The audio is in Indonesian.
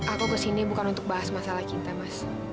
aku kesini bukan untuk bahas masalah cinta mas